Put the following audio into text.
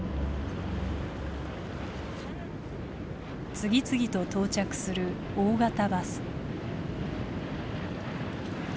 次々と到着する大型バス。